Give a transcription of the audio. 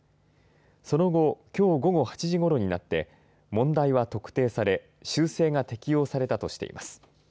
その後きょう午後８時ごろになって問題は特定され修正が適用されたとしています。